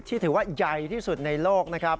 ถือว่าใหญ่ที่สุดในโลกนะครับ